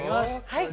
はい！